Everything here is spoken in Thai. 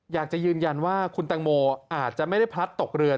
อยากจะยืนยันว่าคุณตังโมอาจจะไม่ได้พลัดตกเรือ